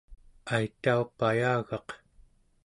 aitaupayagaq